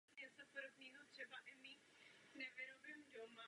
Pod tímto názvem vydali dva singly a mnoho remixů.